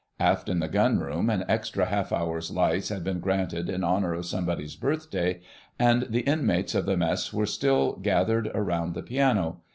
Aft in the Gunroom an extra half hour's lights had been granted in honour of somebody's birthday, and the inmates of the Mess were still gathered round the piano.